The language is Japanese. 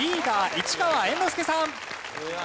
市川猿之助さん！